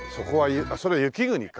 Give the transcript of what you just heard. それ『雪国』か。